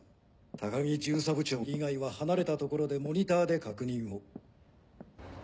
高木巡査部長以外は離れた所でモニターで確認を。